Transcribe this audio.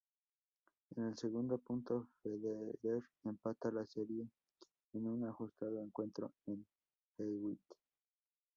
En el segundo punto Federer empata la serie en un ajustado encuentro a Hewitt.